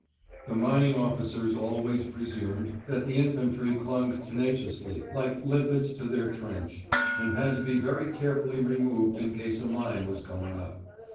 The mining officers always presumed that the infantry clung tenaciously like limpets to their trench, and had to be very carefully removed in case a mine was going up.